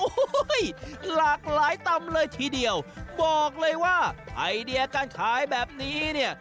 โอ้โหหลากหลายตำเลยทีเดียวบอกเลยว่าไอเดียการขายแบบนี้เนี่ย